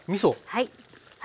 はい。